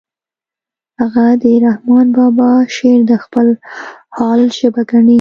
هغه د رحمن بابا شعر د خپل حال ژبه ګڼي